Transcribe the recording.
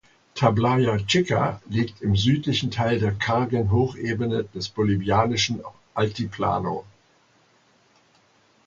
Tablaya Chica liegt im südlichen Teil der kargen Hochebene des bolivianischen Altiplano.